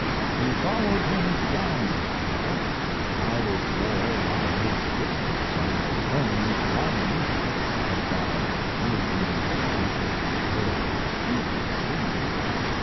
We followed him down this tunnel, guided more by his footsteps on the stone flagging than by anything we could very distinctly see.